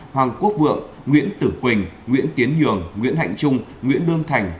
hoàng quốc vượng nguyễn tử quỳnh nguyễn tiến hường nguyễn hạnh trung nguyễn đương thành